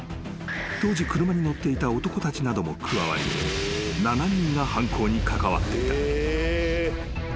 当時車に乗っていた男たちなども加わり７人が犯行に関わっていた］